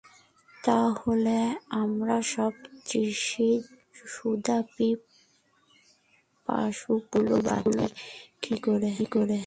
তা হলে আমরা সব তৃষিত সুধাপিপাসু পুরুষগুলো বাঁচি কী করে।